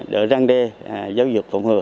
đỡ răng đê giáo dục phòng hừa